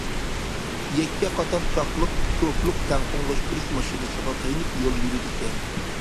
يەككە قاتار چاقلىق توكلۇق تەڭپۇڭلاشتۇرۇش ماشىنىسىغا تايىنىپ يول يۈرىدىكەن.